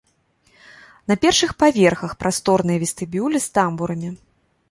На першых паверхах прасторныя вестыбюлі з тамбурамі.